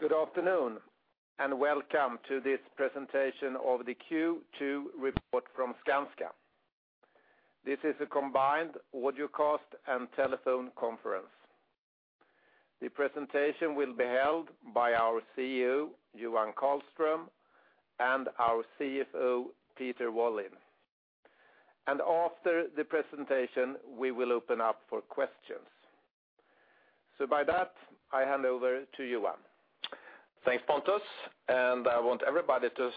Good afternoon, and welcome to this presentation of the Q2 report from Skanska. This is a combined audio cast and telephone conference. The presentation will be held by our CEO, Johan Karlström, and our CFO, Peter Wallin. After the presentation, we will open up for questions. By that, I hand over to Johan. Thanks, Pontus, and I want everybody to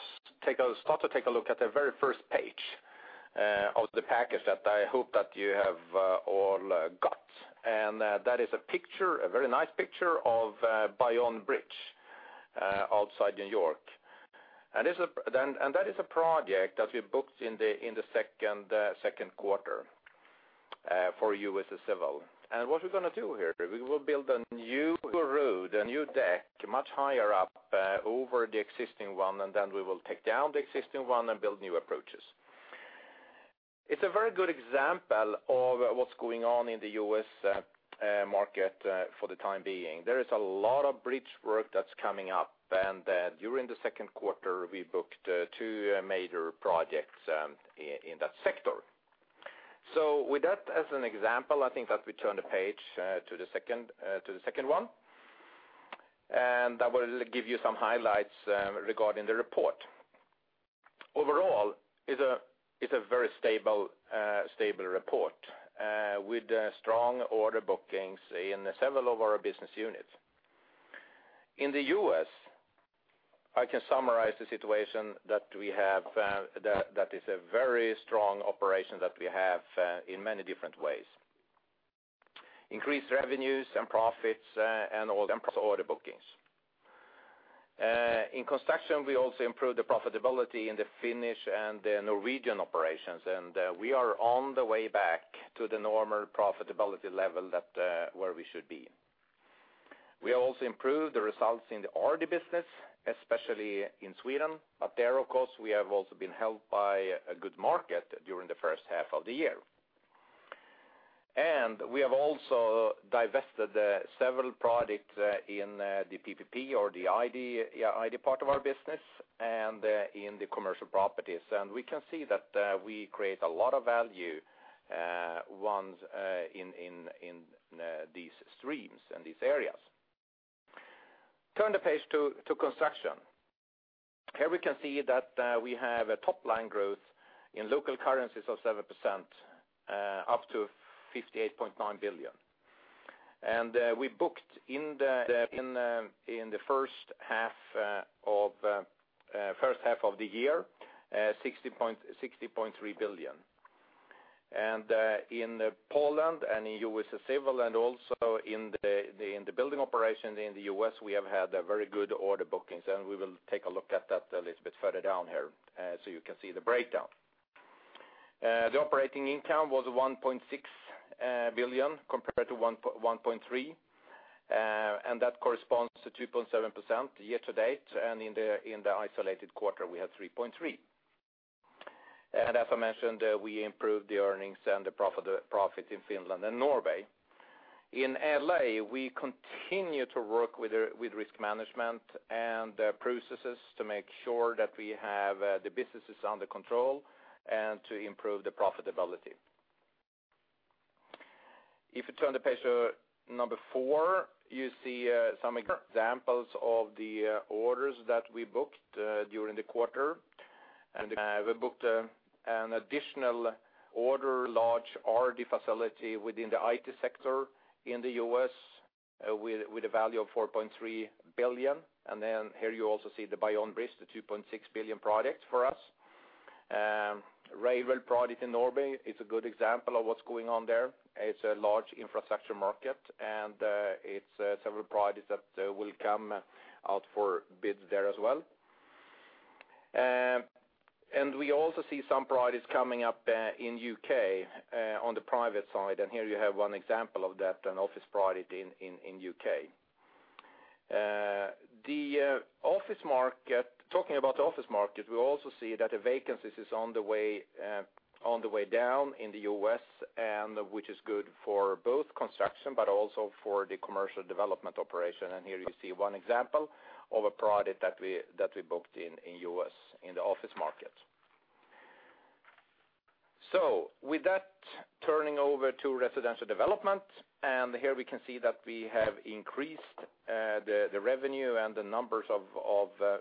start to take a look at the very first page of the package that I hope that you have all got. And that is a picture, a very nice picture of Bayonne Bridge outside New York. And it's a project that we booked in the second quarter for US Civil. And what we're gonna do here, we will build a new road, a new deck, much higher up over the existing one, and then we will take down the existing one and build new approaches. It's a very good example of what's going on in the U.S. market for the time being. There is a lot of bridge work that's coming up, and during the second quarter, we booked two major projects in that sector. So with that as an example, I think that we turn the page to the second to the second one. And I will give you some highlights regarding the report. Overall, it's a very stable report with strong order bookings in several of our business units. In the U.S., I can summarize the situation that we have that is a very strong operation that we have in many different ways. Increased revenues and profits, and order bookings. In construction, we also improved the profitability in the Finnish and the Norwegian operations, and we are on the way back to the normal profitability level that where we should be. We also improved the results in the RD business, especially in Sweden. But there, of course, we have also been helped by a good market during the first half of the year. And we have also divested several products in the PPP or the ID, yeah, ID part of our business and in the commercial properties. And we can see that we create a lot of value once in these streams and these areas. Turn the page to construction. Here we can see that we have a top-line growth in local currencies of 7%, up to 58.9 billion. We booked in the first half of the year, 60.3 billion. And, in Poland and in US Civil and also in the building operation in the U.S., we have had a very good order bookings, and we will take a look at that a little bit further down here, so you can see the breakdown. The operating income was 1.6 billion, compared to 1.3 billion, and that corresponds to 2.7% year to date, and in the isolated quarter, we had 3.3%. And as I mentioned, we improved the earnings and the profit in Finland and Norway. In LA., we continue to work with risk management and processes to make sure that we have the businesses under control and to improve the profitability. If you turn the page to number four, you see some examples of the orders that we booked during the quarter. We booked an additional order, large R&D facility within the IT sector in the U.S., with a value of 4.3 billion. And then here you also see the Bayonne Bridge, the 2.6 billion project for us. Railway project in Norway is a good example of what's going on there. It's a large infrastructure market, and it's several projects that will come out for bids there as well. And we also see some projects coming up in U.K. on the private side, and here you have one example of that, an office project in U.K. The office market, talking about the office market, we also see that the vacancies is on the way down in the U.S., and which is good for both construction, but also for the commercial development operation. And here you see one example of a project that we booked in U.S., in the office market. So with that, turning over to residential development, and here we can see that we have increased the revenue and the numbers of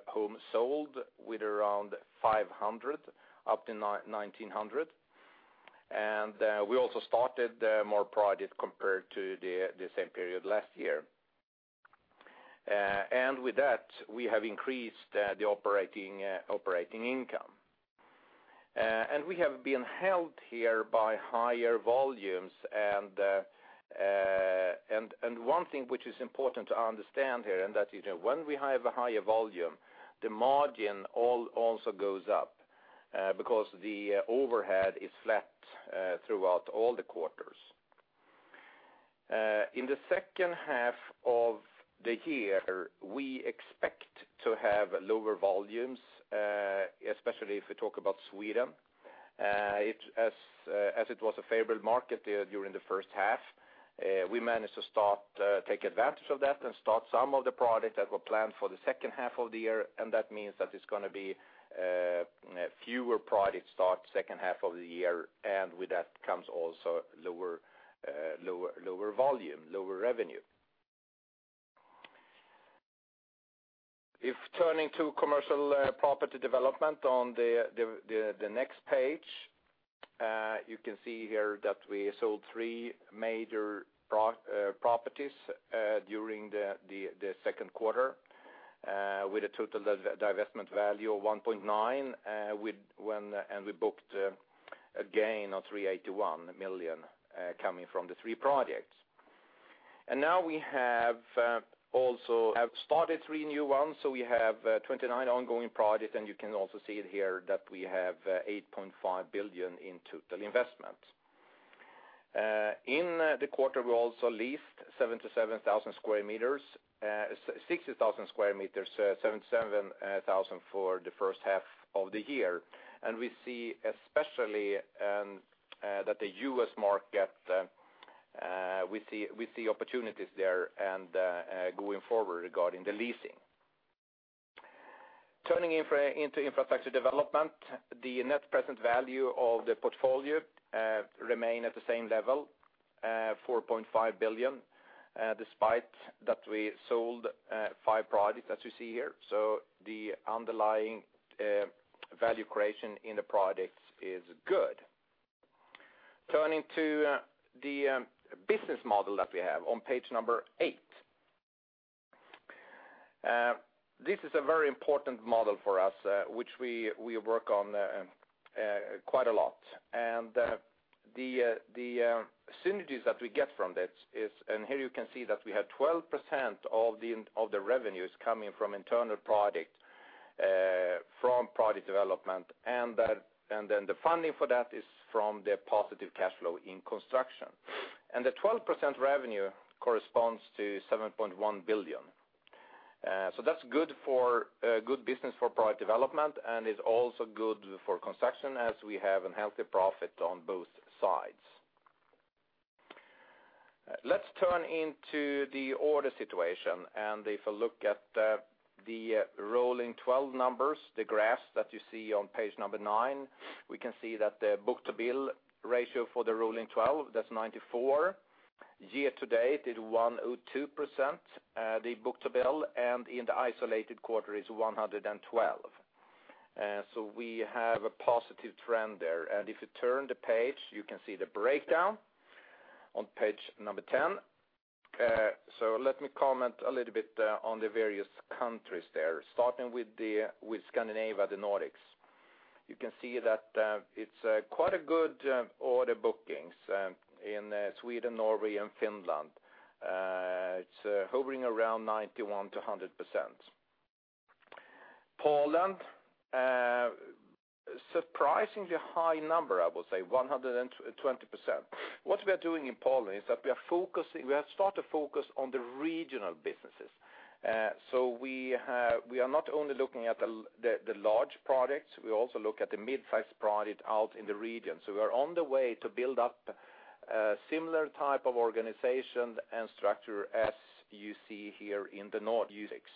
homes sold with around 500, up to 1,900. And we also started more projects compared to the same period last year. And with that, we have increased the operating income. And we have been helped here by higher volumes, and one thing which is important to understand here, and that is that when we have a higher volume, the margin also goes up, because the overhead is flat throughout all the quarters. In the second half of the year, we expect to have lower volumes, especially if we talk about Sweden. As it was a favorable market during the first half, we managed to take advantage of that and start some of the products that were planned for the second half of the year. That means it's gonna be fewer products start second half of the year, and with that comes also lower, lower volume, lower revenue. If turning to commercial property development on the next page, you can see here that we sold three major properties during the second quarter, with a total divestment value of 1.9 billion, and we booked a gain of 381 million coming from the three projects. Now we also have started three new ones, so we have 29 ongoing projects, and you can also see here that we have 8.5 billion in total investment. In the quarter, we also leased 77,000 sq m, 60,000 sq m, 77,000 sq m for the first half of the year. We see, especially, that the U.S. market, we see opportunities there and, going forward regarding the leasing. Turning into infrastructure development, the net present value of the portfolio remain at the same level, 4.5 billion, despite that we sold five projects, as you see here. The underlying value creation in the projects is good. Turning to the business model that we have on page number eight. This is a very important model for us, which we work on quite a lot. The synergies that we get from this is- and here you can see that we have 12% of the revenues coming from internal product, from Product Development, and then the funding for that is from the positive cash flow in construction. The 12% revenue corresponds to 7.1 billion. So that's good for good business for Product Development, and it's also good for construction as we have a healthy profit on both sides. Let's turn into the order situation, and if you look at the rolling twelve numbers, the graphs that you see on page number nine, we can see that the book-to-bill ratio for the rolling twelve, that's 94%. Year-to-date is 102%, the book-to-bill, and in the isolated quarter is 112%. So we have a positive trend there. If you turn the page, you can see the breakdown on page 10. So let me comment a little bit on the various countries there, starting with Scandinavia, the Nordics. You can see that it's quite a good order bookings in Sweden, Norway, and Finland. It's hovering around 91%-100%. Poland, surprisingly high number, I will say, 120%. What we are doing in Poland is that we are focusing - we have started to focus on the regional businesses. So we have, we are not only looking at the large products, we also look at the mid-size product out in the region. So we are on the way to build up a similar type of organization and structure as you see here in the Nordics,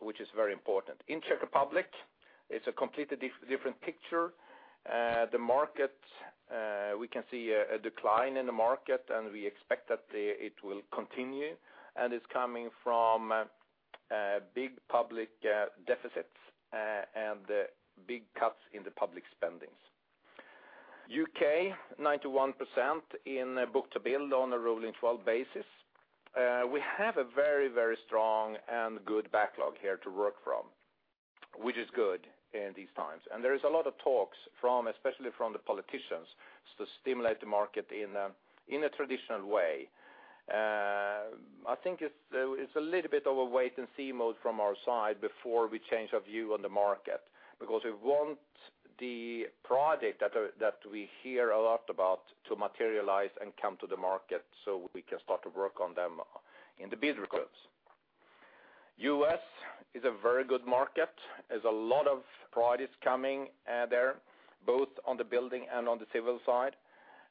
which is very important. In Czech Republic, it's a completely different picture. The market, we can see a decline in the market, and we expect that it will continue, and it's coming from big public deficits and big cuts in the public spendings. U.K., 91% in book-to-bill on a rolling twelve basis. We have a very, very strong and good backlog here to work from, which is good in these times. There is a lot of talks from, especially from the politicians, to stimulate the market in a traditional way. I think it's, it's a little bit of a wait-and-see mode from our side before we change our view on the market, because we want the project that, that we hear a lot about to materialize and come to the market so we can start to work on them in the bid requests. U.S. is a very good market. There's a lot of products coming, there, both on the building and on the civil side.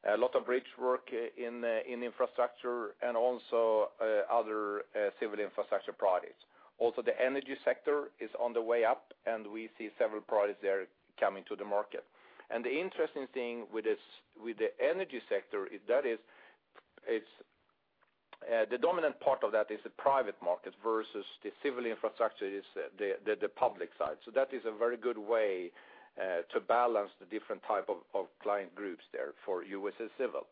A lot of bridge work in infrastructure and also, other, civil infrastructure projects. Also, the energy sector is on the way up, and we see several projects there coming to the market. And the interesting thing with this, with the energy sector, that is, it's, the dominant part of that is the private market versus the civil infrastructure is the, the, the public side. So that is a very good way to balance the different type of client groups there for US Civil.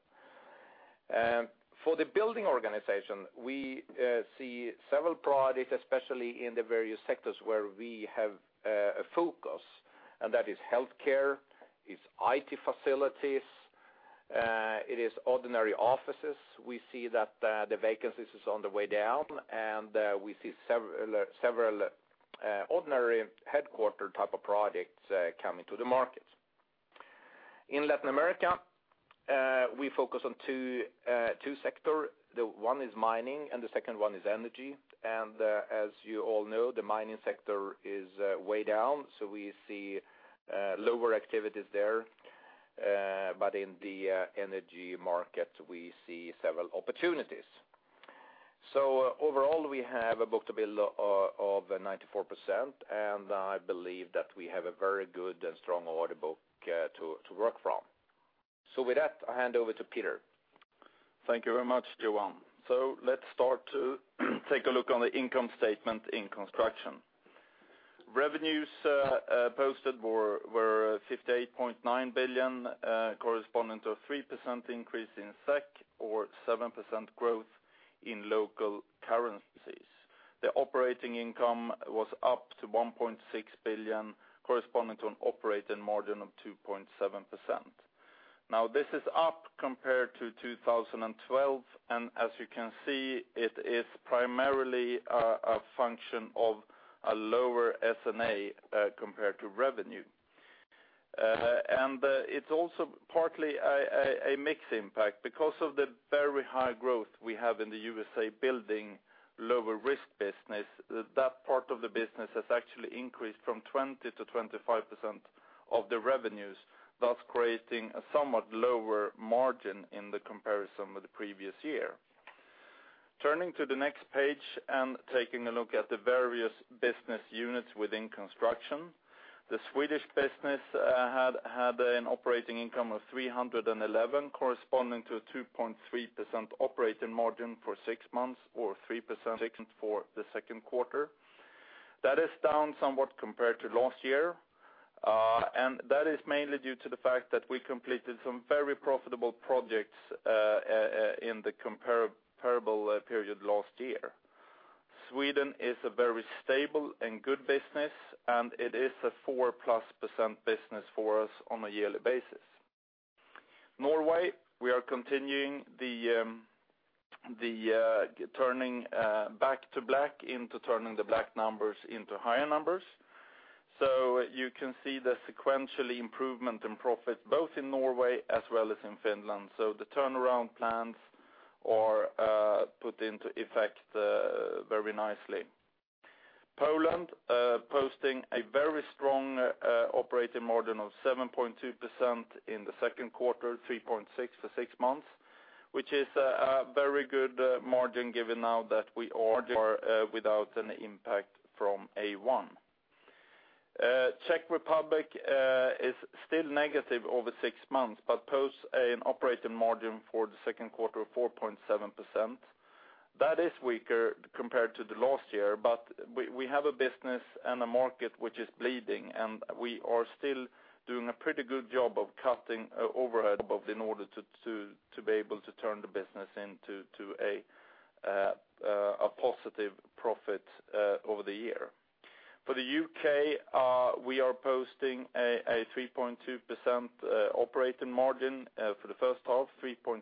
For the building organization, we see several projects, especially in the various sectors where we have a focus, and that is healthcare, it's IT facilities, it is ordinary offices. We see that the vacancies is on the way down, and we see several ordinary headquarters type of projects coming to the market. In Latin America, we focus on two sectors. The one is mining, and the second one is energy. And as you all know, the mining sector is way down, so we see lower activities there. But in the energy market, we see several opportunities. So overall, we have a book-to-bill of 94%, and I believe that we have a very good and strong order book to work from. So with that, I hand over to Peter. Thank you very much, Johan. Let's start to take a look on the income statement in construction. Revenues posted were 58.9 billion, corresponding to a 3% increase in SEK, or 7% growth in local currencies. The operating income was up to 1.6 billion, corresponding to an operating margin of 2.7%. Now, this is up compared to 2012, and as you can see, it is primarily a function of a lower S&A compared to revenue. And it's also partly a mix impact. Because of the very high growth we have in the USA Building lower risk business, that part of the business has actually increased from 20%-25% of the revenues, thus creating a somewhat lower margin in the comparison with the previous year. Turning to the next page and taking a look at the various business units within construction, the Swedish business had an operating income of 311, corresponding to a 2.3% operating margin for six months or 3% for the second quarter. That is down somewhat compared to last year, and that is mainly due to the fact that we completed some very profitable projects in the comparable period last year. Sweden is a very stable and good business, and it is a 4%+ business for us on a yearly basis. Norway, we are continuing the turning back to black into turning the black numbers into higher numbers. So you can see the sequentially improvement in profit, both in Norway as well as in Finland. So the turnaround plans are put into effect very nicely. Poland posting a very strong operating margin of 7.2% in the second quarter, 3.6% for six months, which is a very good margin, given now that we are without an impact from A1. Czech Republic is still negative over six months, but posts an operating margin for the second quarter of 4.7%. That is weaker compared to the last year, but we have a business and a market which is bleeding, and we are still doing a pretty good job of cutting overhead above in order to be able to turn the business into a positive profit over the year. For the U.K., we are posting a 3.2% operating margin for the first half, 3.2%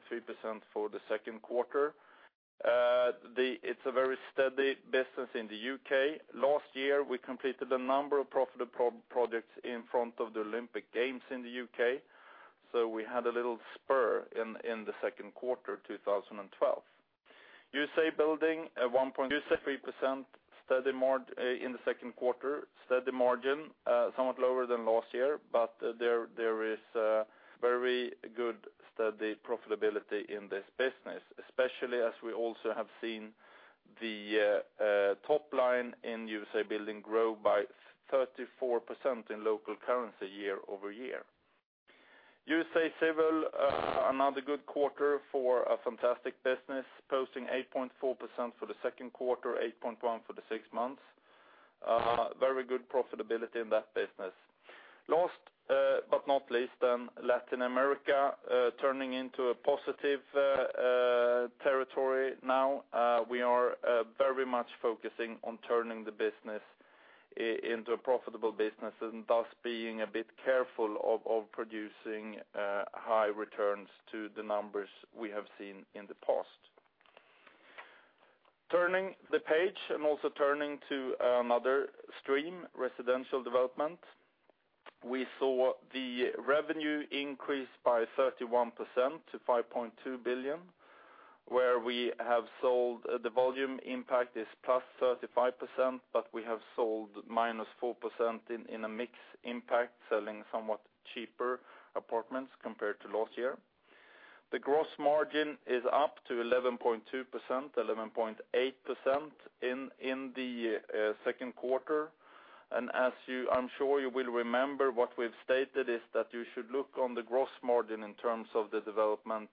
for the second quarter. It's a very steady business in the U.K. Last year, we completed a number of profitable projects in front of the Olympic Games in the U.K., so we had a little spur in the second quarter, 2012. USA Building, a 1.3% steady margin in the second quarter, steady margin, somewhat lower than last year, but there is very good, steady profitability in this business, especially as we also have seen the top line in USA Building grow by 34% in local currency year-over-year. Skanska USA Civil, another good quarter for a fantastic business, posting 8.4% for the second quarter, 8.1% for the six months. Very good profitability in that business. Last, but not least, Latin America, turning into a positive territory now. We are very much focusing on turning the business into a profitable business, and thus being a bit careful of producing high returns to the numbers we have seen in the past. Turning the page and also turning to another stream, residential development, we saw the revenue increase by 31% to 5.2 billion, where we have sold the volume impact is +35%, but we have sold -4% in a mix impact, selling somewhat cheaper apartments compared to last year. The gross margin is up to 11.2%, 11.8% in the second quarter. And as you, I'm sure you will remember, what we've stated is that you should look on the gross margin in terms of the development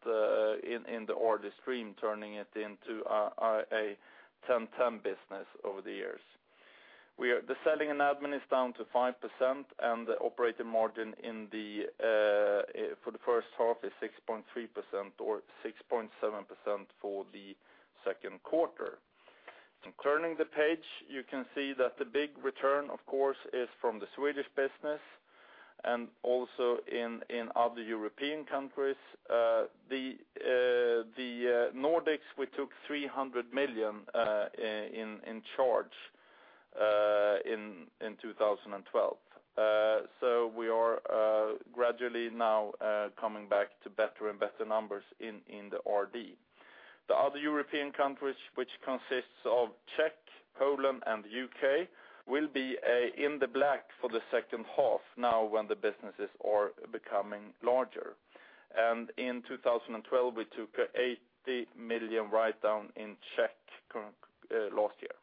in the order stream, turning it into a ten-ten business over the years. The selling and admin is down to 5%, and the operating margin for the first half is 6.3% or 6.7% for the second quarter. And turning the page, you can see that the big return, of course, is from the Swedish business and also in other European countries. The Nordics, we took 300 million in charge in 2012. So we are gradually now coming back to better and better numbers in the RD. The other European countries, which consists of Czech, Poland, and U.K., will be in the black for the second half now, when the businesses are becoming larger. In 2012, we took a 80 million write-down in Czech last year.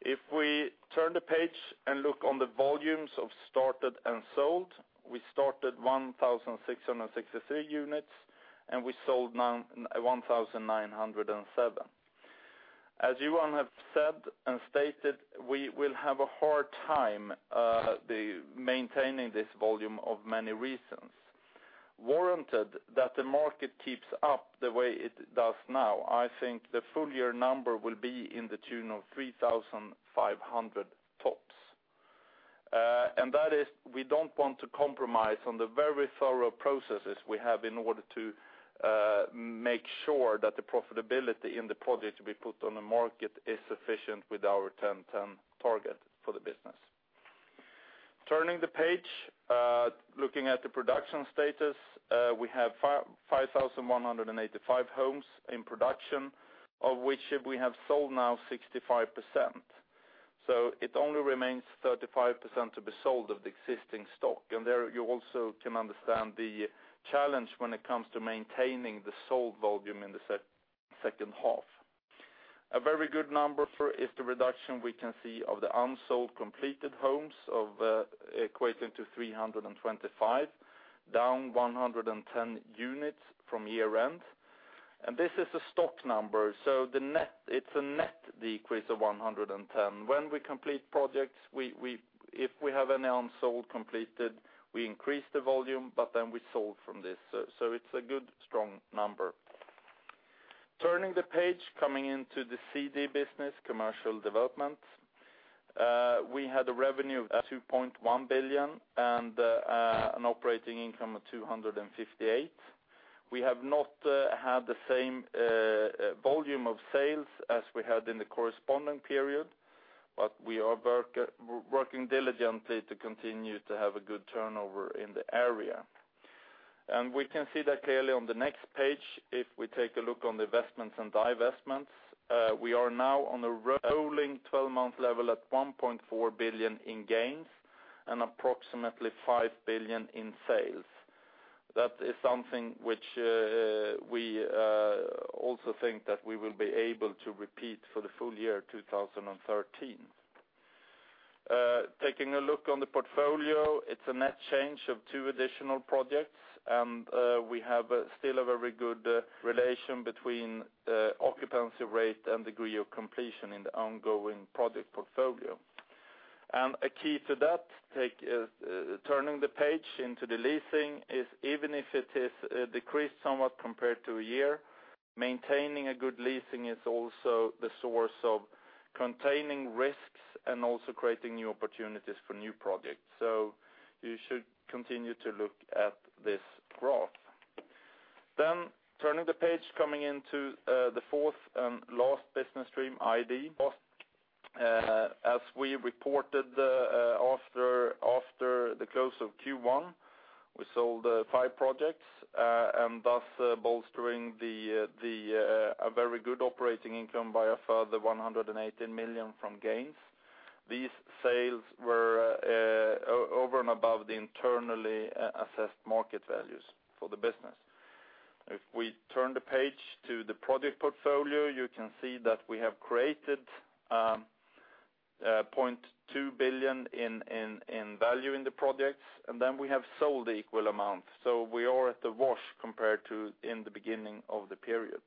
If we turn the page and look on the volumes of started and sold, we started 1,663 units, and we sold 1,907. As you all have said and stated, we will have a hard time maintaining this volume for many reasons. Warranted that the market keeps up the way it does now, I think the full year number will be in the tune of 3,500 tops. And that is, we don't want to compromise on the very thorough processes we have in order to make sure that the profitability in the projects we put on the market is sufficient with our 10-10 target for the business. Turning the page, looking at the production status, we have 5,185 homes in production, of which we have sold now 65%. So it only remains 35% to be sold of the existing stock. And there, you also can understand the challenge when it comes to maintaining the sold volume in the second half. A very good number for, is the reduction we can see of the unsold completed homes of, equating to 325, down 110 units from year end. This is a stock number, so the net, it's a net decrease of 110. When we complete projects, we, we... if we have any unsold completed, we increase the volume, but then we sold from this. So, so it's a good, strong number. Turning the page, coming into the CD business, commercial development. We had a revenue of 2.1 billion, and an operating income of 258 million. We have not had the same volume of sales as we had in the corresponding period, but we are working diligently to continue to have a good turnover in the area. We can see that clearly on the next page, if we take a look on the investments and divestments. We are now on a rolling 12 level at 1.4 billion in gains, and approximately 5 billion in sales. That is something which, we, also think that we will be able to repeat for the full year 2013. Taking a look on the portfolio, it's a net change of two additional projects, and, we have still a very good relation between, occupancy rate and degree of completion in the ongoing project portfolio. And a key to that, turning the page into the leasing, is even if it is, decreased somewhat compared to a year, maintaining a good leasing is also the source of containing risks and also creating new opportunities for new projects. So you should continue to look at this graph. Then turning the page, coming into, the fourth and last business stream, ID. As we reported after the close of Q1, we sold five projects and thus bolstering a very good operating income by a further 118 million from gains. These sales were over and above the internally assessed market values for the business. If we turn the page to the project portfolio, you can see that we have created 0.2 billion in value in the projects, and then we have sold the equal amount. So we are at the wash compared to in the beginning of the period.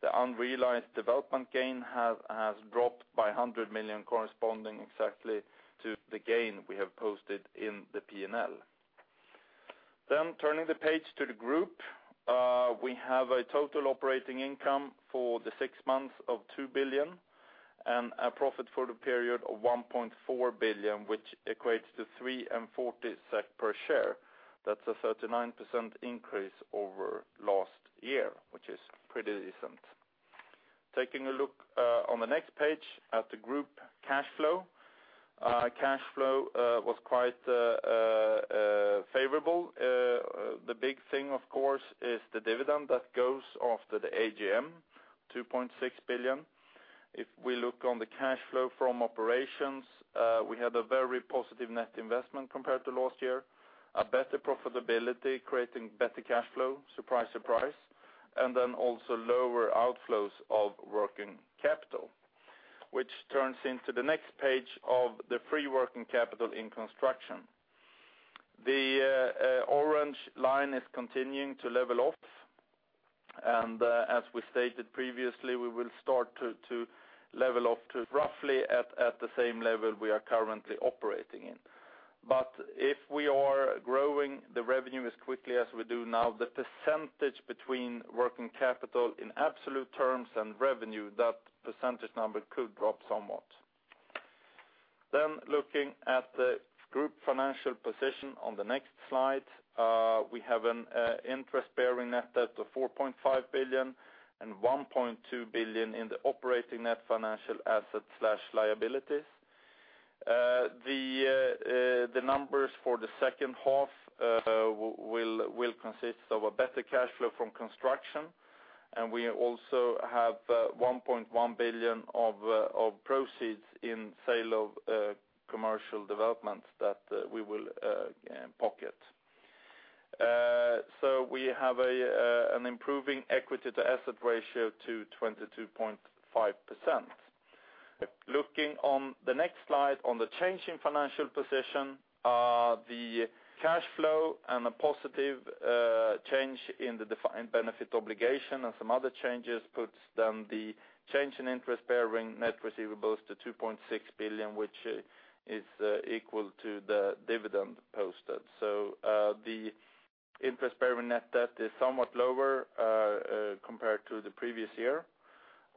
The unrealized development gain has dropped by 100 million, corresponding exactly to the gain we have posted in the P&L. Then turning the page to the group, we have a total operating income for the six months of 2 billion, and a profit for the period of 1.4 billion, which equates to 3.40 SEK per share. That's a 39% increase over last year, which is pretty decent. Taking a look on the next page at the group cash flow. Cash flow was quite favorable. The big thing, of course, is the dividend that goes after the AGM, 2.6 billion. If we look on the cash flow from operations, we had a very positive net investment compared to last year, a better profitability, creating better cash flow, surprise, surprise, and then also lower outflows of working capital. Which turns into the next page of the free working capital in construction. The orange line is continuing to level off, and as we stated previously, we will start to level off to roughly at the same level we are currently operating in. But if we are growing the revenue as quickly as we do now, the percentage between working capital in absolute terms and revenue, that percentage number could drop somewhat. Then looking at the group financial position on the next slide, we have an interest-bearing net debt of 4.5 billion, and 1.2 billion in the operating net financial assets/liabilities. The numbers for the second half will consist of a better cash flow from construction, and we also have 1.1 billion of proceeds in sale of commercial developments that we will pocket. So we have an improving equity to asset ratio to 22.5%. Looking on the next slide, on the change in financial position, the cash flow and a positive change in the defined benefit obligation and some other changes puts then the change in interest-bearing net receivables to 2.6 billion, which is equal to the dividend posted. So the interest-bearing net debt is somewhat lower compared to the previous year.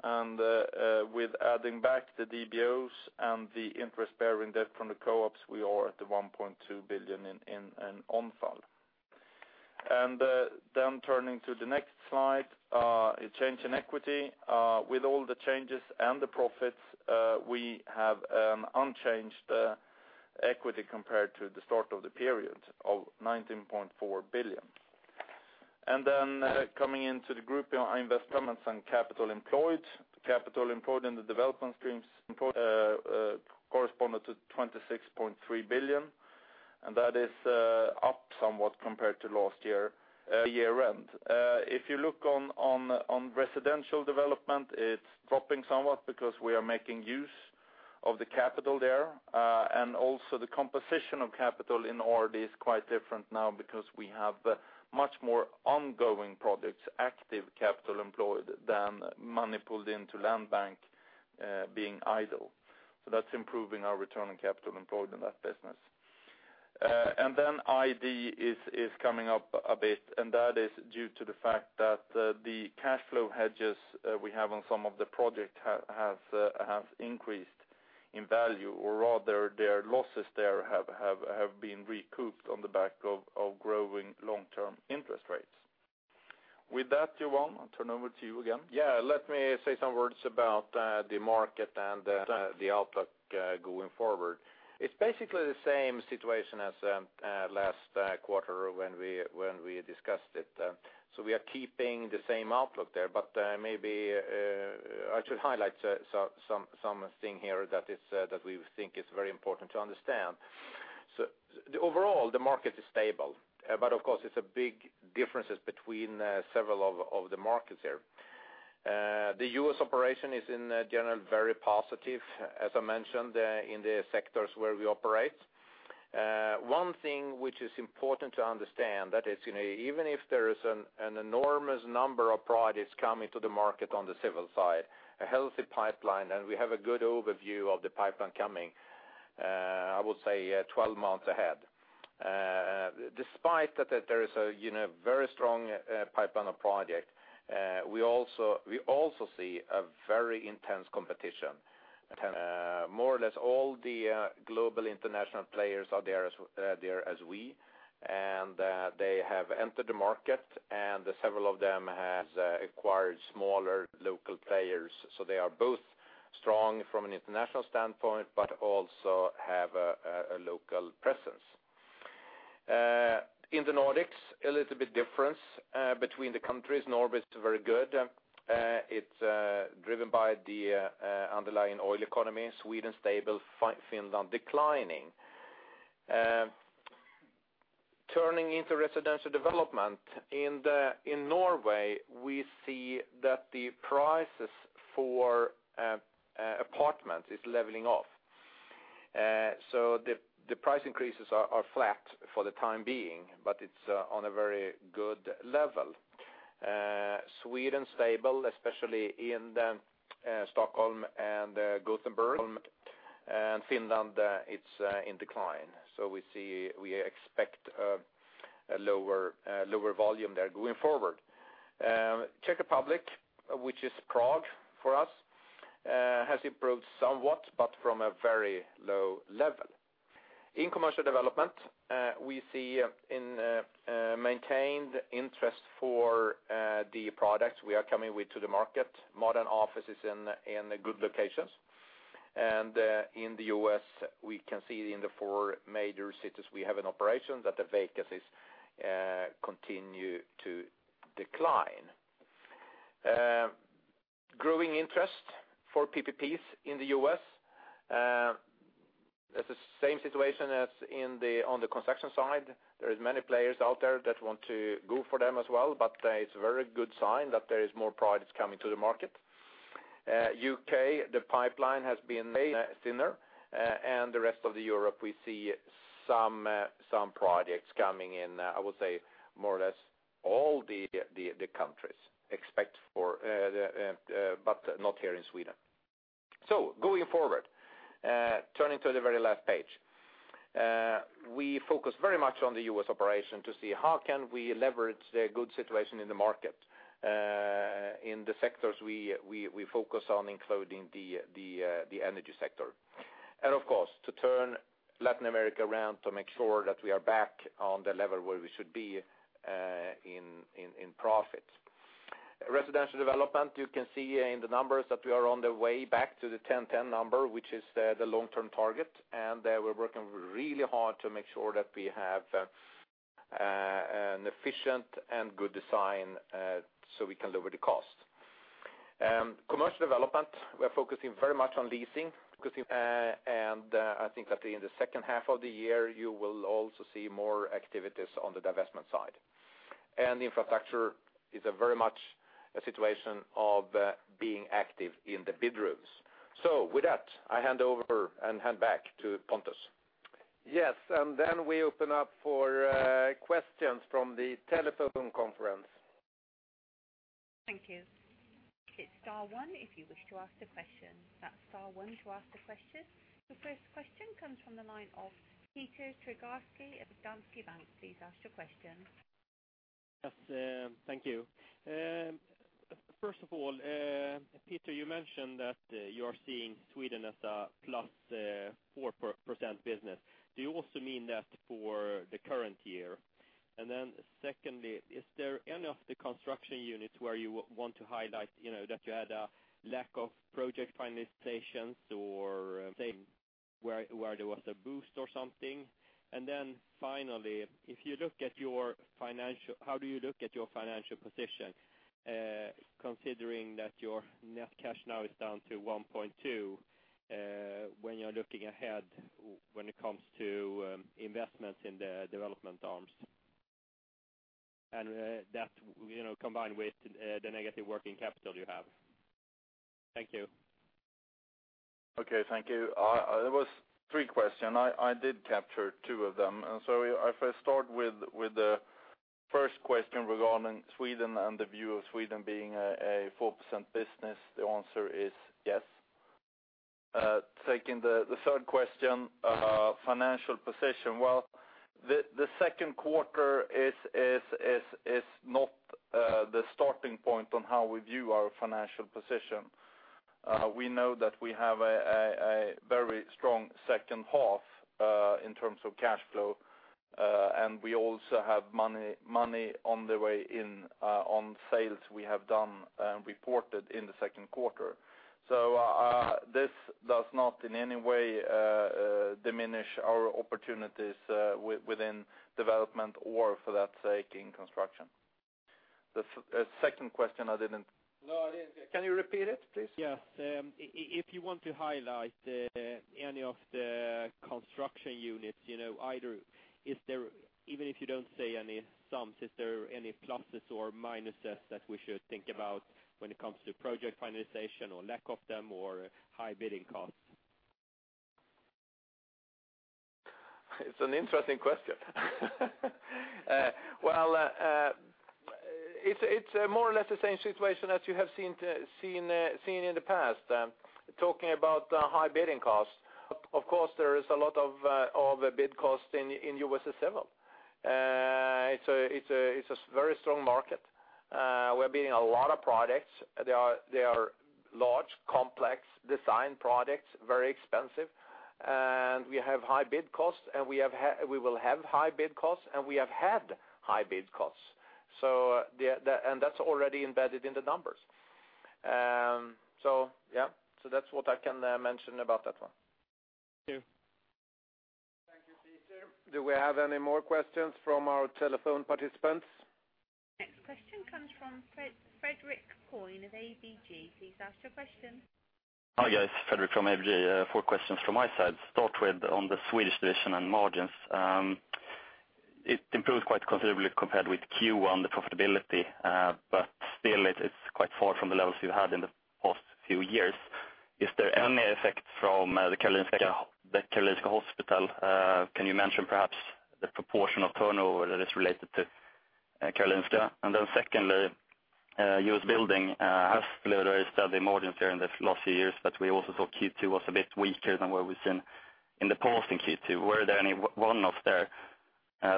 And with adding back the DBOs and the interest-bearing debt from the co-ops, we are at 1.2 billion in total. And then turning to the next slide, a change in equity. With all the changes and the profits, we have unchanged equity compared to the start of the period of 19.4 billion. Then coming into the group investments and capital employed. Capital employed in the development streams corresponded to 26.3 billion, and that is up somewhat compared to last year, at year-end. If you look on residential development, it's dropping somewhat because we are making use of the capital there. And also the composition of capital in RD is quite different now because we have much more ongoing projects, active capital employed, than money pulled into land bank being idle. So that's improving our return on capital employed in that business. And then ID is coming up a bit, and that is due to the fact that the cash flow hedges we have on some of the projects have increased in value, or rather, their losses there have been recouped on the back of growing long-term interest rates. With that, Johan, I'll turn over to you again. Yeah, let me say some words about the market and the outlook going forward. It's basically the same situation as last quarter when we discussed it. So we are keeping the same outlook there, but maybe I should highlight some thing here that we think is very important to understand. So overall, the market is stable, but of course, it's big differences between several of the markets here. The U.S. operation is, in general, very positive, as I mentioned, in the sectors where we operate. One thing which is important to understand, that is, you know, even if there is an enormous number of projects coming to the market on the civil side, a healthy pipeline, and we have a good overview of the pipeline coming, I would say, 12 months ahead. Despite that, that there is a, you know, very strong pipeline of project, we also, we also see a very intense competition. More or less all the global international players are there as there as we, and they have entered the market, and several of them has acquired smaller local players. So they are both strong from an international standpoint, but also have a local presence. In the Nordics, a little bit difference between the countries. Norway is very good. It's driven by the underlying oil economy, Sweden stable, Finland declining. Turning into residential development, in Norway, we see that the prices for apartments is leveling off. So the price increases are flat for the time being, but it's on a very good level. Sweden, stable, especially in the Stockholm and Gothenburg, and Finland, it's in decline. So we expect a lower volume there going forward. Czech Republic, which is Prague for us, has improved somewhat, but from a very low level. In commercial development, we see maintained interest for the products we are coming with to the market, modern offices in good locations. In the U.S., we can see in the four major cities we have an operation, that the vacancies continue to decline. Growing interest for PPPs in the U.S. It's the same situation as in the, on the construction side. There is many players out there that want to go for them as well, but it's a very good sign that there is more products coming to the market. U.K., the pipeline has been thinner, and the rest of the Europe, we see some projects coming in, I would say more or less all the countries, except for, but not here in Sweden. So going forward, turning to the very last page. We focus very much on the U.S. operation to see how can we leverage the good situation in the market, in the sectors we focus on, including the energy sector. And, of course, to turn Latin America around, to make sure that we are back on the level where we should be, in profit. Residential development, you can see in the numbers that we are on the way back to the 10-10 number, which is the long-term target, and we're working really hard to make sure that we have an efficient and good design, so we can lower the cost. Commercial development, we're focusing very much on leasing, and I think that in the second half of the year, you will also see more activities on the divestment side. Infrastructure is a very much a situation of being active in the bid rooms. So with that, I hand over and hand back to Pontus. Yes, and then we open up for questions from the telephone conference. Thank you. Hit star one if you wish to ask a question. That's star one to ask a question. The first question comes from the line of Peter Trigarszky of Danske Bank. Please ask your question. Yes, thank you. First of all, Peter, you mentioned that you are seeing Sweden as a +4% business. Do you also mean that for the current year? Then secondly, is there any of the construction units where you want to highlight, you know, that you had a lack of project finalizations or, say, where there was a boost or something? Then finally, if you look at your financial position, how do you look at your financial position, considering that your net cash now is down to 1.2, when you're looking ahead, when it comes to investments in the development arms, and that, you know, combined with the negative working capital you have? Thank you. Okay, thank you. It was three questions. I did capture two of them, and so I first start with the first question regarding Sweden and the view of Sweden being a 4% business, the answer is yes. Taking the third question, financial position. Well, the second quarter is not the starting point on how we view our financial position. We know that we have a very strong second half in terms of cash flow, and we also have money on the way in on sales we have done and reported in the second quarter. So, this does not in any way diminish our opportunities within development or for that sake, in construction. The second question I didn't... No. Can you repeat it, please? Yes. If you want to highlight any of the construction units, you know, either is there... Even if you don't say any sums, is there any pluses or minuses that we should think about when it comes to project finalization, or lack of them, or high bidding costs? It's an interesting question. Well, it's more or less the same situation as you have seen in the past. Talking about high bidding costs, of course, there is a lot of bid costs in USA Civil. It's a very strong market. We're bidding a lot of products. They are large, complex design products, very expensive, and we have high bid costs, and we will have high bid costs, and we have had high bid costs. So, that's already embedded in the numbers. So yeah, that's what I can mention about that one. Thank you. Thank you, Peter. Do we have any more questions from our telephone participants? Next question comes from Fredric Cyon of ABG. Please ask your question. Hi, guys, Fredric from ABG. Four questions from my side. Start with on the Swedish division and margins. It improved quite considerably compared with Q1, the profitability, but still it, it's quite far from the levels you've had in the past few years. Is there any effect from the Karolinska, the Karolinska Hospital? Can you mention perhaps the proportion of turnover that is related to Karolinska? And then secondly, USA Building has delivered steady margins here in the last few years, but we also saw Q2 was a bit weaker than what we've seen in the past in Q2. Were there any one-off there?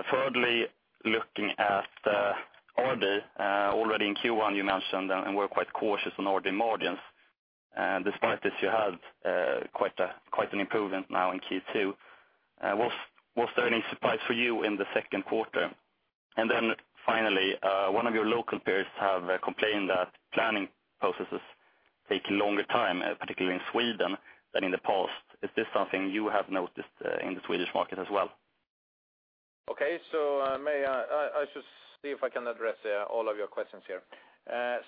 Thirdly, looking at RD, already in Q1, you mentioned and and we're quite cautious on RD margins, and despite this, you had quite an improvement now in Q2. Was there any surprise for you in the second quarter? And then finally, one of your local peers have complained that planning processes take a longer time, particularly in Sweden, than in the past. Is this something you have noticed in the Swedish market as well? Okay, so, may I should see if I can address all of your questions here.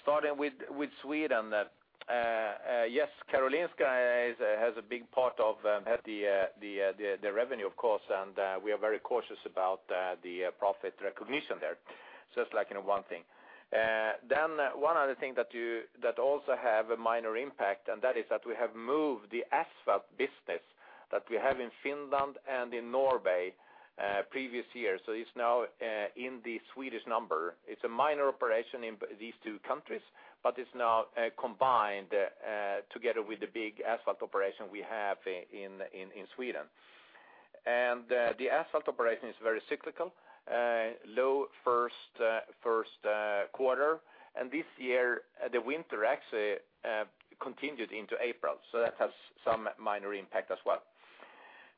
Starting with Sweden, yes, Karolinska has a big part of the revenue, of course, and we are very cautious about the profit recognition there. So it's like, you know, one thing. Then one other thing that also have a minor impact, and that is that we have moved the asphalt business that we have in Finland and in Norway previous year, so it's now in the Swedish number. It's a minor operation in these two countries, but it's now combined together with the big asphalt operation we have in Sweden. The asphalt operation is very cyclical, low first quarter, and this year, the winter actually continued into April, so that has some minor impact as well.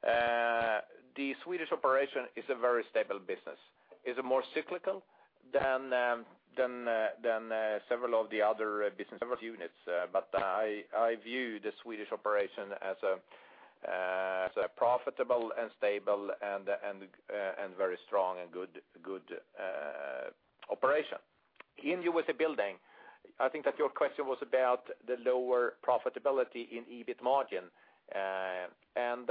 The Swedish operation is a very stable business. It's more cyclical than several of the other business units. But I view the Swedish operation as a profitable and stable and very strong and good operation. In USA Building, I think that your question was about the lower profitability in EBIT margin. And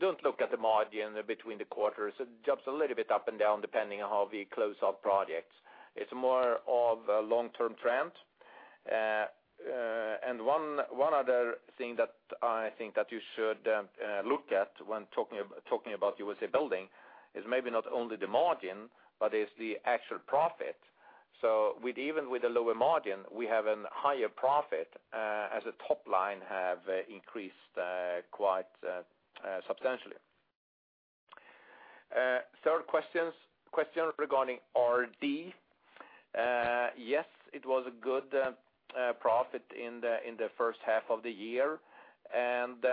don't look at the margin between the quarters. It jumps a little bit up and down, depending on how we close out projects. It's more of a long-term trend. And one other thing that I think that you should look at when talking about USA Building is maybe not only the margin, but the actual profit. So even with a lower margin, we have an higher profit as the top line have increased quite substantially. Third question regarding RD. Yes, it was a good profit in the first half of the year, and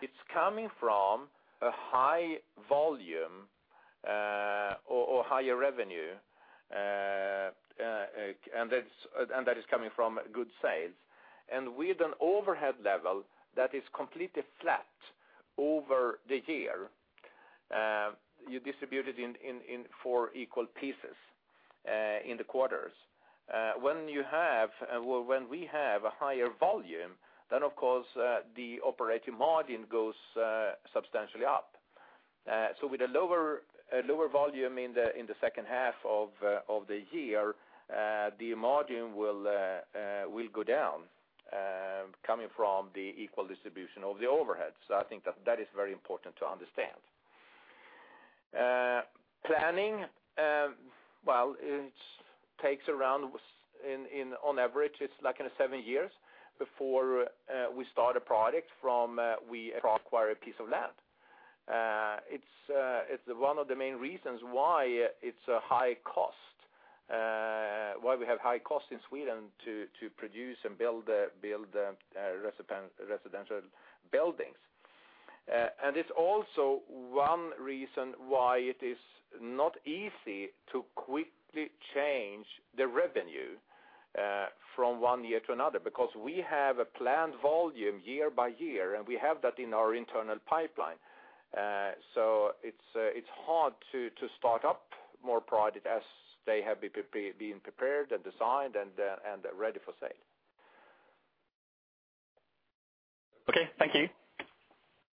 it's coming from a high volume or higher revenue, and that is coming from good sales. And with an overhead level that is completely flat over the year, you distribute it in four equal pieces in the quarters. When you have, well, when we have a higher volume, then, of course, the operating margin goes substantially up. So with a lower volume in the second half of the year, the margin will go down, coming from the equal distribution of the overheads. So I think that is very important to understand. Planning, well, it takes around, in, on average, it's like in seven years before we start a project from we acquire a piece of land. It's one of the main reasons why it's a high cost, why we have high costs in Sweden to produce and build residential buildings. It's also one reason why it is not easy to quickly change the revenue from one year to another, because we have a planned volume year by year, and we have that in our internal pipeline. So it's hard to start up more projects as they have been prepared and designed and ready for sale. Okay. Thank you.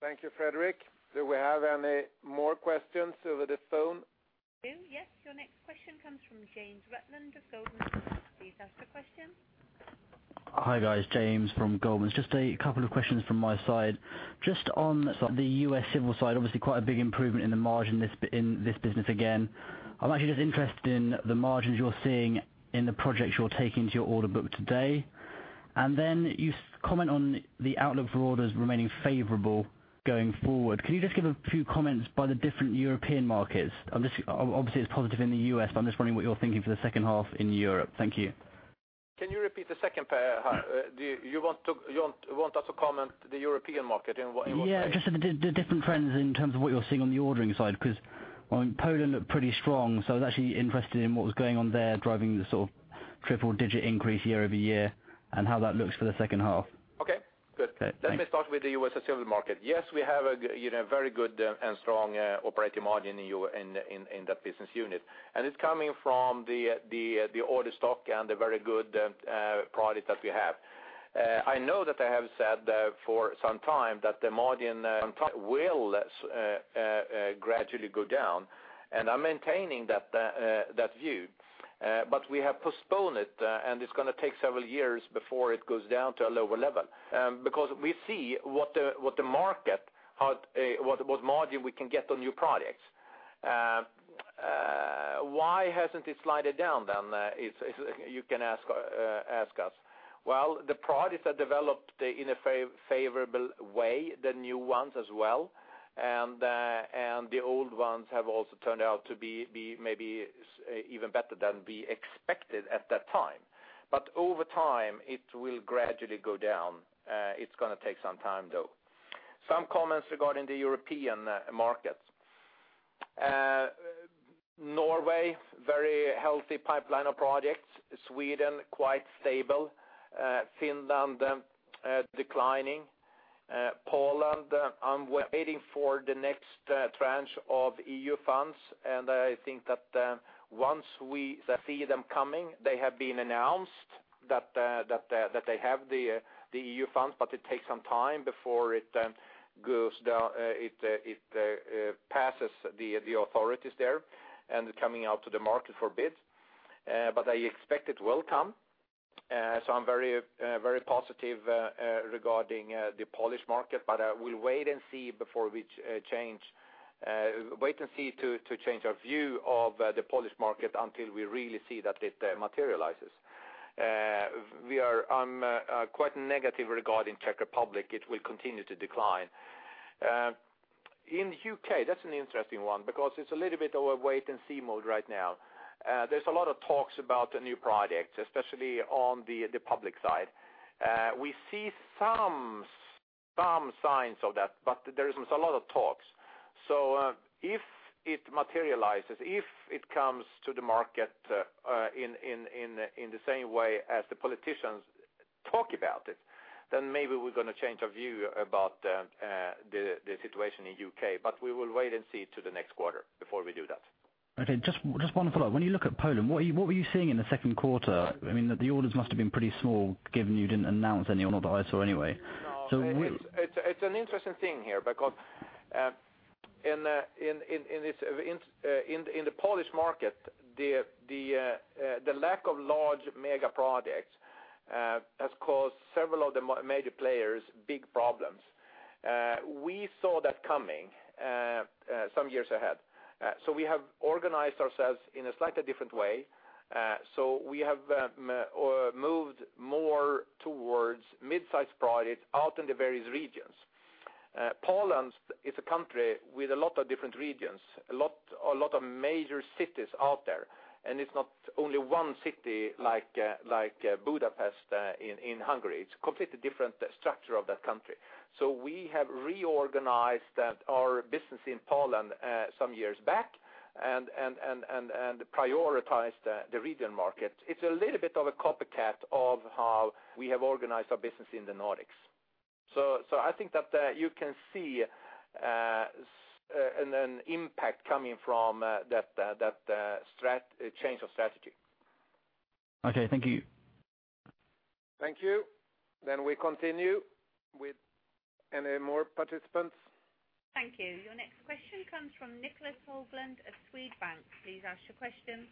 Thank you, Frederick. Do we have any more questions over the phone? Yes, your next question comes from James Butland of Goldman. Please ask the question. Hi, guys, James from Goldman. Just a couple of questions from my side. Just on the US Civil side, obviously, quite a big improvement in the margin in this business again. I'm actually just interested in the margins you're seeing in the projects you're taking to your order book today. And then you comment on the outlook for orders remaining favorable going forward. Can you just give a few comments by the different European markets? I'm obviously it's positive in the U.S., but I'm just wondering what you're thinking for the second half in Europe. Thank you. Can you repeat the second part? Do you want us to comment the European market and what- Yeah, just the different trends in terms of what you're seeing on the ordering side, because, well, Poland looked pretty strong, so I was actually interested in what was going on there, driving the sort of triple-digit increase year-over-year, and how that looks for the second half? Okay, good. Okay, thanks. Let me start with the US Civil market. Yes, we have a—you know, very good and strong operating margin in that business unit. And it's coming from the order stock and the very good product that we have. I know that I have said for some time that the margin will gradually go down, and I'm maintaining that view. But we have postponed it, and it's gonna take several years before it goes down to a lower level. Because we see what the market, how what margin we can get on new products. Why hasn't it slid down then? Is you can ask us. Well, the products are developed in a favorable way, the new ones as well, and the old ones have also turned out to be even better than we expected at that time. But over time, it will gradually go down. It's gonna take some time, though. Some comments regarding the European markets. Norway, very healthy pipeline of projects. Sweden, quite stable. Finland, declining. Poland, we're waiting for the next tranche of EU funds, and I think that once we see them coming, they have been announced that they have the EU funds, but it takes some time before it goes down, it passes the authorities there and coming out to the market for bids. But I expect it will come. So I'm very very positive regarding the Polish market, but we'll wait and see before we change our view of the Polish market until we really see that it materializes. We are quite negative regarding Czech Republic. It will continue to decline. In U.K., that's an interesting one, because it's a little bit of a wait-and-see mode right now. There's a lot of talks about the new projects, especially on the public side. We see some signs of that, but there's a lot of talks. If it materializes, if it comes to the market in the same way as the politicians talk about it, then maybe we're gonna change our view about the situation in U.K., but we will wait and see to the next quarter before we do that. Okay, just, just one follow-up. When you look at Poland, what were you seeing in the second quarter? I mean, the orders must have been pretty small, given you didn't announce any on the ISO anyway. So we- No, it's an interesting thing here, because in the Polish market, the lack of large mega projects has caused several of the major players big problems. We saw that coming some years ahead. So we have organized ourselves in a slightly different way. So we have moved more towards mid-sized projects out in the various regions. Poland is a country with a lot of different regions, a lot of major cities out there, and it's not only one city like Budapest in Hungary. It's a completely different structure of that country. So we have reorganized our business in Poland some years back, and prioritized the regional market. It's a little bit of a copycat of how we have organized our business in the Nordics. So I think that you can see an impact coming from that change of strategy. Okay, thank you. Thank you. Then we continue with any more participants. Thank you. Your next question comes from Niclas Höglund of Swedbank. Please ask your question.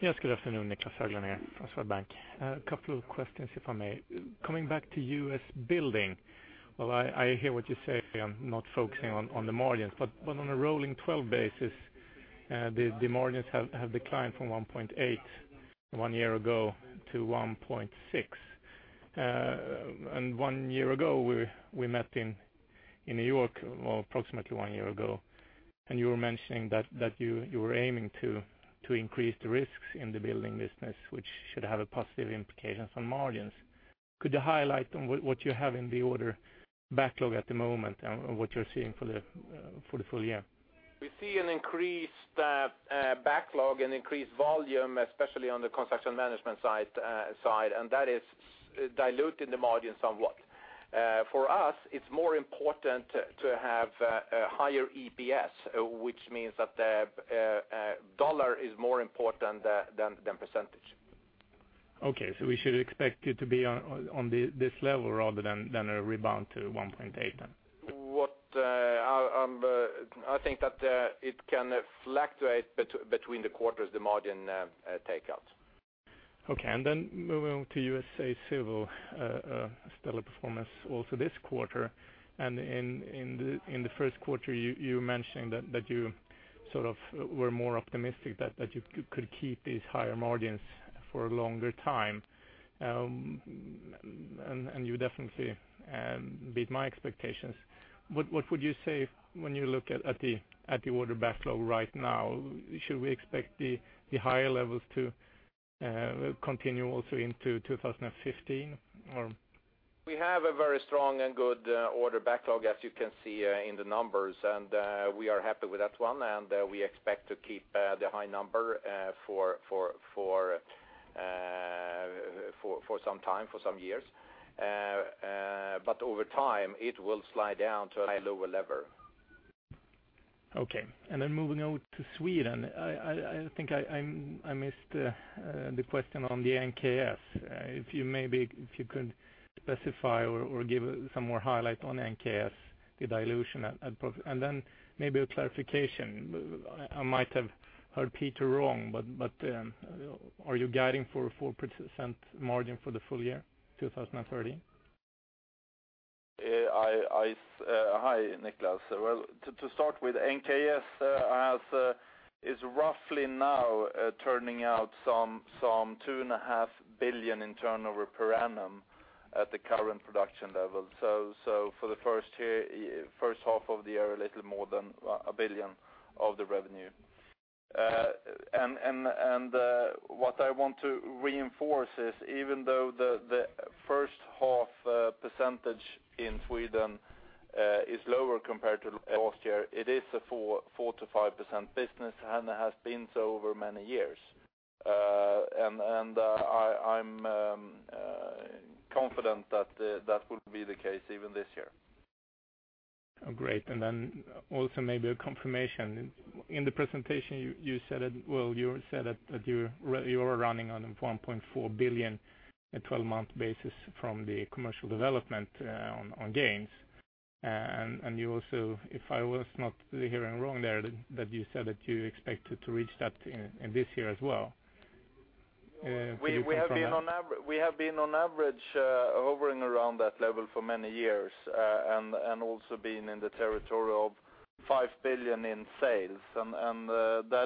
Yes, good afternoon, Niclas Höglund here, Swedbank. A couple of questions, if I may. Coming back to US Building, well, I hear what you say, I'm not focusing on the margins, but on a rolling 12 basis, the margins have declined from 1.8 one year ago to 1.6. And one year ago, we met in New York, well, approximately one year ago, and you were mentioning that you were aiming to increase the risks in the building business, which should have a positive implication on margins. Could you highlight on what you have in the order backlog at the moment, and what you're seeing for the full year? We see an increased backlog and increased volume, especially on the construction management side, and that is diluting the margins somewhat. For us, it's more important to have a higher EPS, which means that the dollar is more important than percentage. Okay, so we should expect it to be on this level rather than a rebound to 1.8, then? I think that it can fluctuate between the quarters, the margin, take out. Okay, and then moving on to USA Civil, stellar performance also this quarter. And in the first quarter, you mentioned that you sort of were more optimistic that you could keep these higher margins for a longer time. And you definitely beat my expectations. What would you say when you look at the order backlog right now? Should we expect the higher levels to continue also into 2015, or? We have a very strong and good order backlog, as you can see in the numbers, and we are happy with that one, and we expect to keep the high number for some time, for some years. But over time, it will slide down to a lower level. Okay, and then moving on to Sweden, I think I missed the question on the NKS. If you maybe could specify or give some more highlight on NKS, the dilution and pro... And then maybe a clarification. I might have heard Peter wrong, but are you guiding for a 4% margin for the full year, 2013? Hi, Niklas. Well, to start with, NKS is roughly now turning out some 2.5 billion in turnover per annum at the current production level. So for the first half of the year, a little more than 1 billion of the revenue. And what I want to reinforce is, even though the first half percentage in Sweden is lower compared to last year, it is a 4%-5% business, and it has been so over many years. And I'm confident that that will be the case even this year. Oh, great. And then also maybe a confirmation. In the presentation you said that, well, you said that you're running on 1.4 billion, a 12-month basis from the commercial development, on gains. And you also, if I was not hearing wrong there, that you said that you expected to reach that in this year as well. Can you confirm that? We have been on average hovering around that level for many years, and that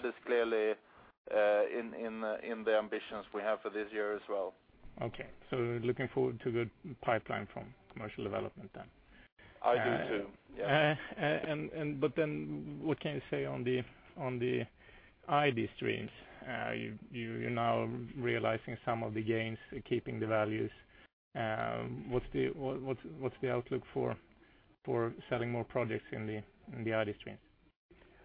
is clearly in the ambitions we have for this year as well. Okay. So looking forward to good pipeline from commercial development then? I do, too. Yeah. But then what can you say on the ID streams? You're now realizing some of the gains, keeping the values. What's the outlook for selling more projects in the ID stream?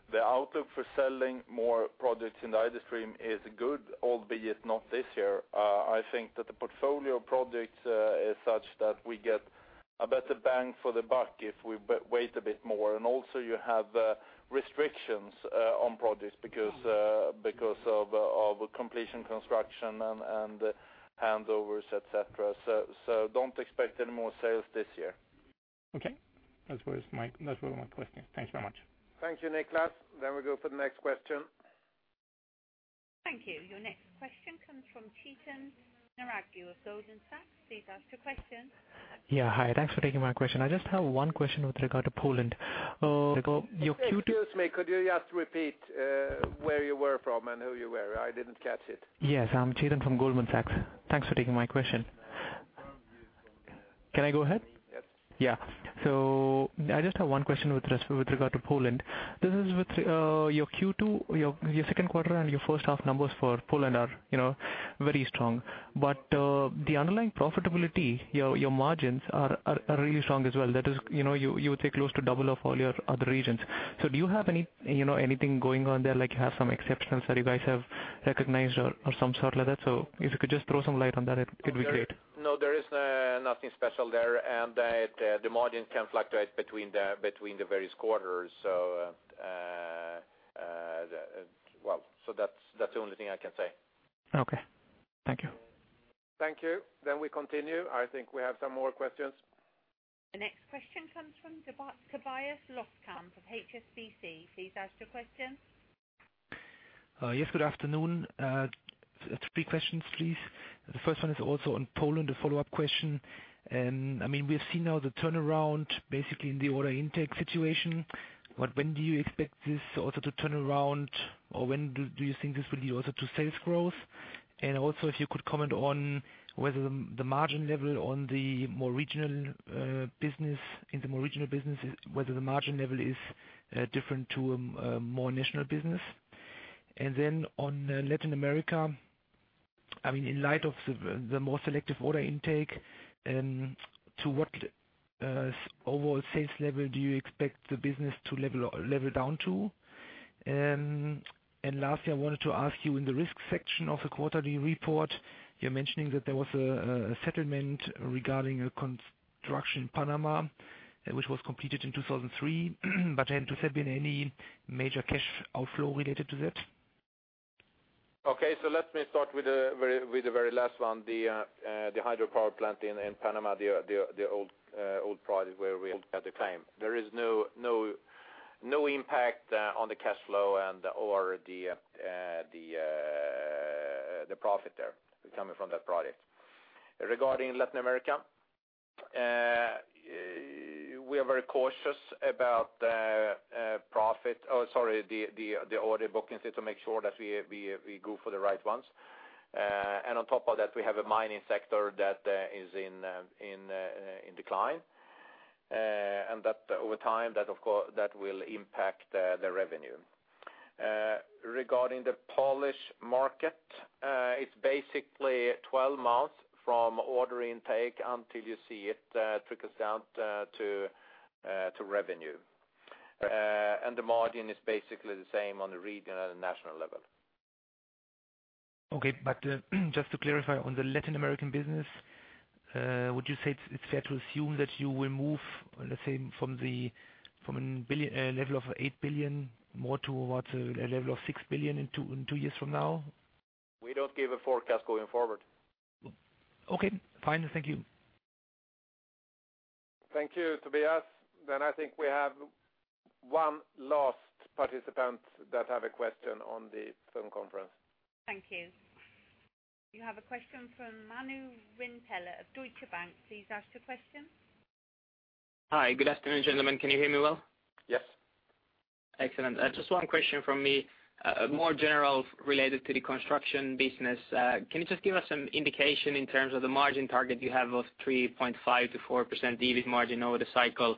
The outlook for selling more projects in the ID stream is good, albeit not this year. I think that the portfolio of projects is such that we get a better bang for the buck if we wait a bit more. And also you have restrictions on projects because of completion, construction, and handovers, et cetera. So don't expect any more sales this year. Okay. That was my, that was my question. Thanks very much. Thank you, Niklas. Then we go for the next question. Thank you. Your next question comes from Chetan Udeshi of Goldman Sachs. Please ask your question. Yeah, hi. Thanks for taking my question. I just have one question with regard to Poland. Your Q2- Excuse me, could you just repeat where you were from and who you were? I didn't catch it. Yes, I'm Chetan from Goldman Sachs. Thanks for taking my question. Can I go ahead? Yes. Yeah. So I just have one question with regard to Poland. This is with your Q2, your second quarter, and your first half numbers for Poland are, you know, very strong. But the underlying profitability, your margins are really strong as well. That is, you know, you would say, close to double of all your other regions. So do you have any, you know, anything going on there, like you have some exceptions that you guys have recognized or some sort like that? So if you could just throw some light on that, it'd be great. No, there is nothing special there, and that the margin can fluctuate between the various quarters. So, well, so that's the only thing I can say. Okay. Thank you. Thank you. Then we continue. I think we have some more questions. The next question comes from Tobias Loskamp of HSBC. Please ask your question. Yes, good afternoon. Three questions, please. The first one is also on Poland, a follow-up question. I mean, we've seen now the turnaround basically in the order intake situation, but when do you expect this also to turn around? Or when do you think this will lead also to sales growth? And also, if you could comment on whether the margin level on the more regional business, in the more regional businesses, whether the margin level is different to more national business. And then on Latin America, I mean, in light of the more selective order intake, to what overall sales level do you expect the business to level down to? And lastly, I wanted to ask you, in the risk section of the quarterly report, you're mentioning that there was a settlement regarding a construction in Panama, which was completed in 2003. But then, has there been any major cash outflow related to that? Okay, so let me start with the very last one, the hydropower plant in Panama, the old project where we had the claim. There is no impact on the cash flow and or the profit there coming from that project. Regarding Latin America, we are very cautious about the profit... Oh, sorry, the order bookings, to make sure that we go for the right ones. And on top of that, we have a mining sector that is in decline. And that over time, of course, that will impact the revenue. Regarding the Polish market, it's basically 12 months from order intake until you see it trickles down to revenue. The margin is basically the same on the regional and national level. Okay, but, just to clarify on the Latin American business, would you say it's, it's fair to assume that you will move, let's say, from the, from a billion level of 8 billion, more to what, a level of 6 billion in two years from now? We don't give a forecast going forward. Okay, fine. Thank you. Thank you, Tobias. Then I think we have one last participant that have a question on the phone conference. Thank you. You have a question from Manu Rimpelä of Deutsche Bank. Please ask your question. Hi, good afternoon, gentlemen. Can you hear me well? Yes. Excellent. Just one question from me. More general, related to the construction business. Can you just give us some indication in terms of the margin target you have of 3.5%-4% EBIT margin over the cycle?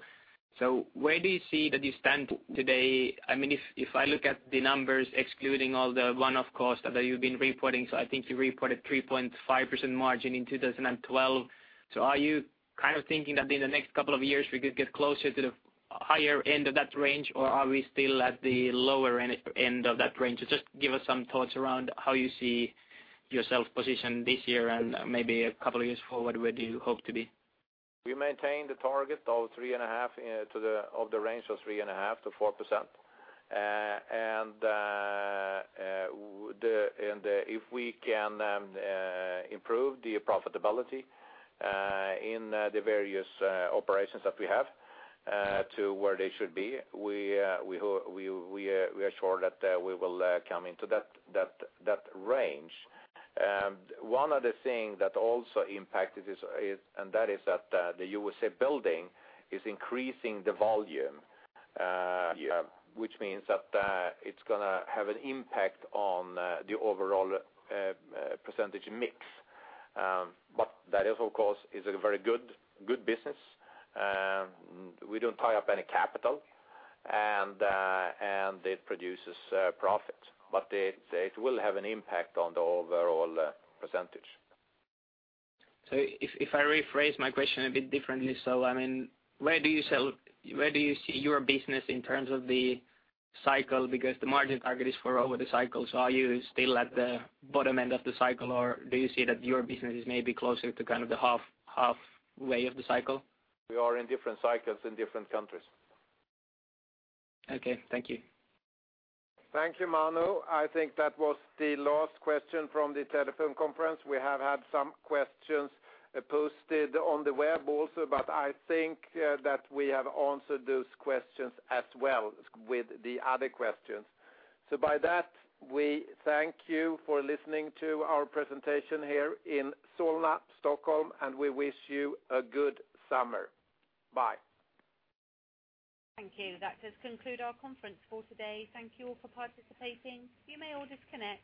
So where do you see that you stand today? I mean, if I look at the numbers excluding all the one-off costs that you've been reporting, so I think you reported 3.5% margin in 2012. So are you kind of thinking that in the next couple of years we could get closer to the higher end of that range, or are we still at the lower end of that range? Just give us some thoughts around how you see yourself positioned this year and maybe a couple of years forward, where do you hope to be? We maintain the target of the range of 3.5%-4%. If we can improve the profitability in the various operations that we have to where they should be, we are sure that we will come into that range. One other thing that also impacted this is that the USA Building is increasing the volume. Yeah... which means that it's gonna have an impact on the overall percentage mix. But that is, of course, a very good business. We don't tie up any capital, and it produces profit, but it will have an impact on the overall percentage. So if, if I rephrase my question a bit differently, so, I mean, where do you sell—where do you see your business in terms of the cycle? Because the margin target is for over the cycle, so are you still at the bottom end of the cycle, or do you see that your business is maybe closer to kind of the half, half way of the cycle? We are in different cycles in different countries. Okay, thank you. Thank you, Manu. I think that was the last question from the telephone conference. We have had some questions posted on the web also, but I think that we have answered those questions as well with the other questions. So by that, we thank you for listening to our presentation here in Solna, Stockholm, and we wish you a good summer. Bye. Thank you. That does conclude our conference call today. Thank you all for participating. You may all disconnect.